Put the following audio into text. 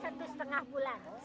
satu setengah bulan